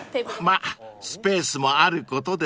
［まあスペースもあることですし］